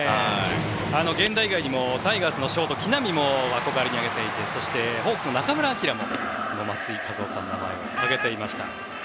源田以外にもタイガースのショート木浪も憧れに挙げていてそして、ホークスの中村晃も松井稼頭央さんの名前を挙げていました。